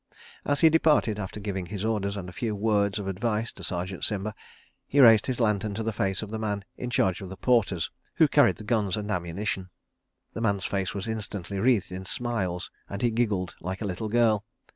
As he departed, after giving his orders and a few words of advice to Sergeant Simba, he raised his lantern to the face of the man in charge of the porters who carried the gun and ammunition. The man's face was instantly wreathed in smiles, and he giggled like a little girl.